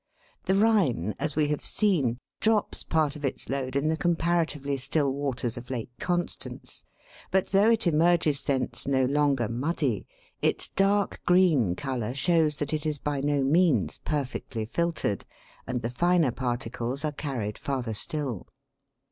The Rhine, as we have seen, drops part of its load in the comparatively still waters of Lake Constance, but though it emerges thence no longer muddy, its dark green colour shows that it is by no means perfectly filtered, and the finer particles are carried farther still.